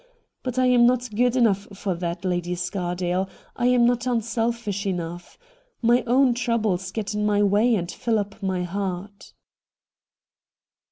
But I am not good enough for that. Lady Scardale — I am not unselfish enough. My own troubles get in my way and fill up my heart.'